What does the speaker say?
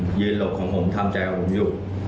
ผมเลยไปยืนแอบของผมยืนหลบของผมทำใจของผมอยู่